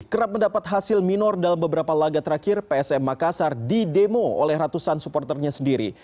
kerap mendapat hasil minor dalam beberapa laga terakhir psm makassar di demo oleh ratusan supporternya sendiri